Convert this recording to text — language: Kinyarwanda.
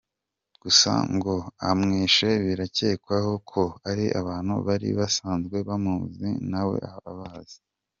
Gusa ngo abamwishe birakewka ko ari abantu bari basanzwe bamuzi nawe abazi.